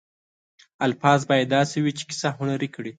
الفاظ باید داسې وي چې کیسه هنري کړي.